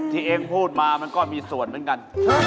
เองพูดมามันก็มีส่วนเหมือนกัน